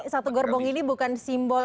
satu gerbong ini bukan simbol